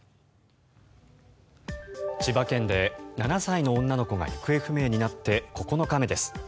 千葉県で７歳の女の子が行方不明になって９日目です。